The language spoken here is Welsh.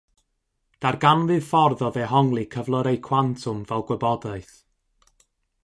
Darganfu ffordd o ddehongli cyflyrau cwantwm fel gwybodaeth.